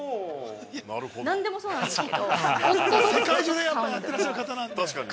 何でもそうなんですけれども。